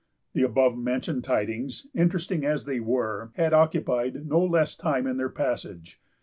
The above mentioned tidings, interesting as they were, had occupied no less time in their passage.